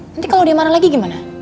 nanti kalau dia marah lagi gimana